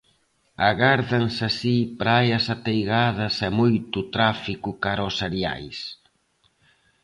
Agárdanse así praias ateigadas e moito tráfico cara aos areais.